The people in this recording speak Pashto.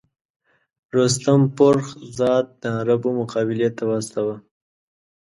رستم فرُخ زاد د عربو مقابلې ته واستاوه.